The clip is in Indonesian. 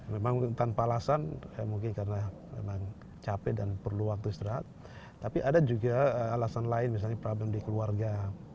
memang tanpa alasan mungkin karena memang capek dan perlu waktu istirahat tapi ada juga alasan lain misalnya problem di keluarga